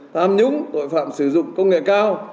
tham nhũng tội phạm sử dụng công nghệ cao